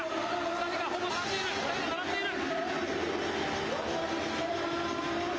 ２人がほぼ並んでいる、２人がほぼ並んでいる。